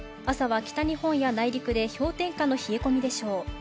朝は北日本や内陸で氷点下の冷え込みでしょう。